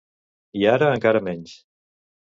I ara encara menys.